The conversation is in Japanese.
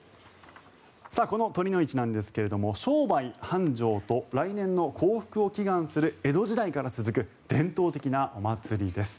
この酉の市なんですが商売繁盛と来年の幸福を祈願する江戸時代から続く伝統的なお祭りです。